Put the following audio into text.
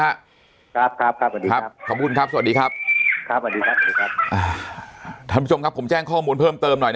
กันนะครับครับสวัสดีครับผมแจ้งข้อมูลเพิ่มเติมเติมหน่อยนะ